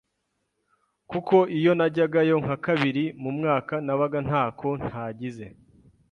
kuko iyo najyagayo nka kabiri mu mwaka nabaga ntako ntagize.